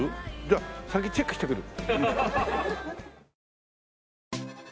じゃあ先チェックしてくる。